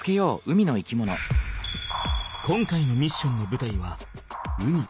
今回のミッションのぶたいは海。